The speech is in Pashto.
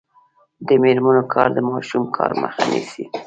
د میرمنو کار د ماشوم کار مخه نیسي.